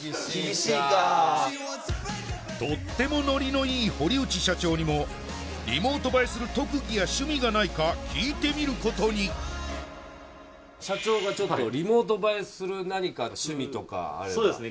とってもノリのいい堀内社長にもリモート映えする特技や趣味がないか聞いてみることに社長がちょっとリモート映えする何か趣味とかあればそうですね